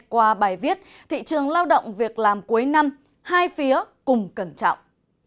qua bài viết thị trường lao động việc làm cuối năm hai phía cùng cẩn trọng